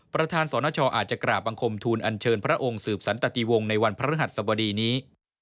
ประธานสนชอาจจะกราบบังคมทูลอันเชิญพระองค์สืบสันตติวงศ์ในวันพระฤหัสสบดีนี้